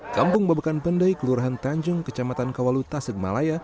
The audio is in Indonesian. kampung babakan pendai kelurahan tanjung kecamatan kawalu tasikmalaya